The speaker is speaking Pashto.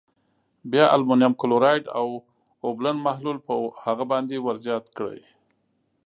بیا المونیم کلورایډ اوبلن محلول په هغه باندې ور زیات کړئ.